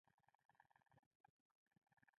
آیا افغانستان سمندر ته لاره لري؟